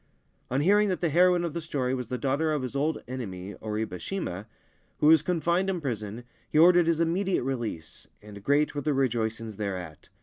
On hearing that the heroine of the story was the 'daughter of his old enemy Oribe Shima, who was confined in prison, he ordered his immediate release, and great were the rejoicings thereat.